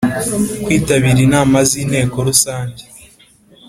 kwitabira inama z Inteko Rusange